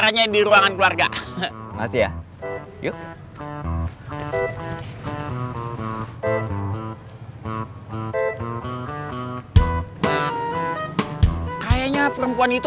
oma udah gak sabar mau ketemu kamu